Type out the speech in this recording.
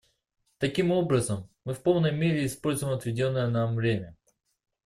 Таким образом, мы в полной мере используем отведенное нам время.